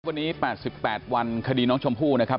วันนี้๘๘วันคดีน้องชมพู่นะครับ